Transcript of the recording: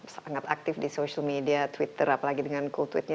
sangat aktif di social media twitter apalagi dengan kultuitnya